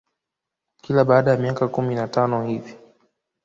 Kila baada ya miaka kumi na tano hivi